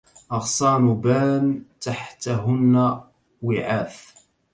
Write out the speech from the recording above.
أغصان بان تحتهن وعاث